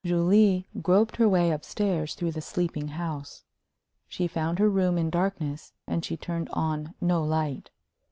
Julie groped her way up stairs through the sleeping house. She found her room in darkness, and she turned on no light.